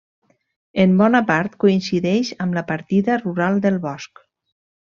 En bona part, coincideix amb la partida rural del Bosc.